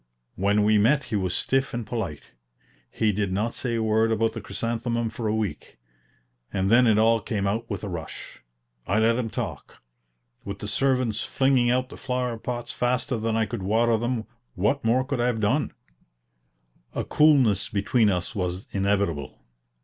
When we met he was stiff and polite. He did not say a word about the chrysanthemum for a week, and then it all came out with a rush. I let him talk. With the servants flinging out the flower pots faster than I could water them, what more could I have done? A coolness between us was inevitable.